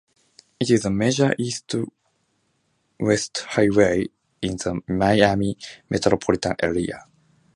It is a major east-west highway in the Miami metropolitan area.